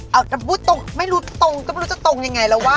เอ้าถ้าพูดตรงไม่รู้จะตรงยังไงหรอวะ